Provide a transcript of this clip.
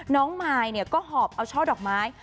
น้องไมค์ก็หอบเอาช่อดอกไม้